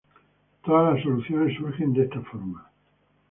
Todas las soluciones surgen de esta forma.